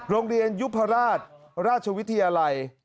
โรงเรียนยุพราชราชวิทยาลัย